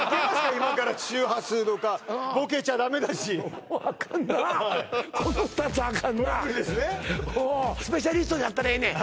今から周波数とかボケちゃダメだしもうアカンなこの２つアカンなこれは無理ですねスペシャリストになったらええねん